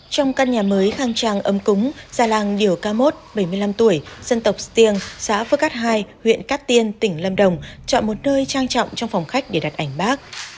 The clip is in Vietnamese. trong căn nhà mới khang trang âm cúng gia làng điều ca mốt bảy mươi năm tuổi dân tộc stiêng xã phước cát hai huyện cát tiên tỉnh lâm đồng chọn một nơi trang trọng trong phòng khách để đặt ảnh bác